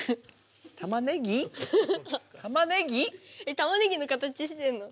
たまねぎの形してんの。